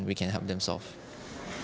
dan kami dapat membantu mereka